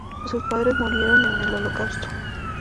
Sus padres murieron en el Holocausto.